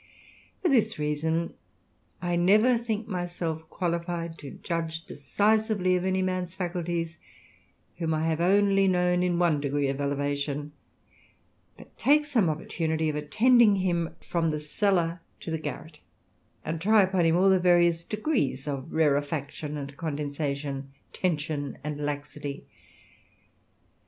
For this reason I never think myself qualified to judge decisively of any man's faculties, whom I have only known in one degree of elevation ; but take some opportunity of attending him from the cellar to the garret, and try upon him all the various degrees of rarefaction and condensation, tension and laxity.